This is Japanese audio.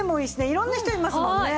色んな人いますもんね。